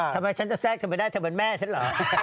ทำไมฉันจะแทรกกันไปได้เธอเหมือนแม่ฉันเหรอ